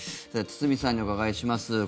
堤さんにお伺いします。